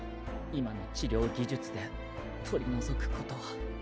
今の治療技術で取り除くことは。